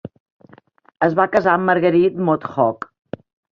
Es va casar amb Marguerite Maud Hogg.